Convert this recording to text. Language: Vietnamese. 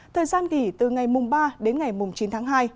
thời gian nghỉ từ ngày mùng ba đến ngày chín tháng hai